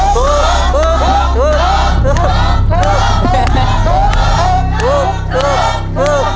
ถูก